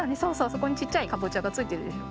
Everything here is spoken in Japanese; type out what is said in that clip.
そこにちっちゃいかぼちゃがついてるでしょ？